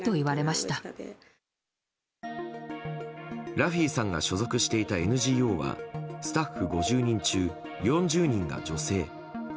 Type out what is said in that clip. ラフィさんが所属していたＮＧＯはスタッフ５０人中４０人が女性。